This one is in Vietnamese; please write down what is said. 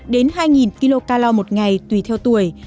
đến hai kcal một ngày tùy theo tuổi